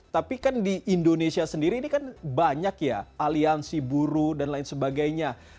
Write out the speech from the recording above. tapi kan di indonesia sendiri ini kan banyak ya aliansi buruh dan lain sebagainya